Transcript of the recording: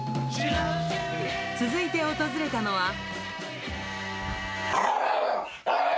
続いて訪れたのは。